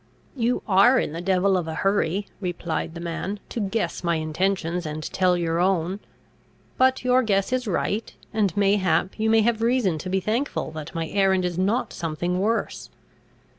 "You are in the devil of a hurry," replied the man, "to guess my intentions, and tell your own. But your guess is right; and mayhap you may have reason to be thankful that my errand is not something worse.